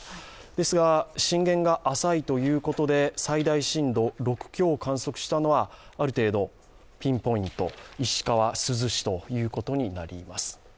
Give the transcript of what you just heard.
ですが、震源が浅いということで最大震度６強を観測したのはある程度ピンポイント石川・珠洲市ということになります